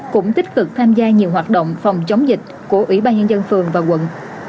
cũng tích cực tham gia nhiều hoạt động phòng chống dịch của ủy ban nhân dân phường và quận